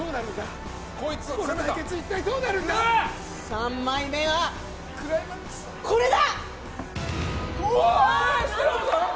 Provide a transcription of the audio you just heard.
３枚目はこれだ！